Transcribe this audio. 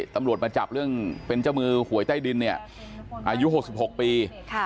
ตำรวจมาจับเรื่องเป็นเจ้ามือหวยใต้ดินเนี่ยอายุ๖๖ปี